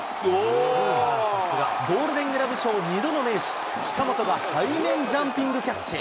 ゴールデングラブ賞２度の名手、近本が背面ジャンピングキャッチ。